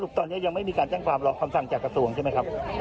ตอนนี้ยังไม่มีการแจ้งความหรอกคำสั่งจากกระทรวงใช่ไหมครับ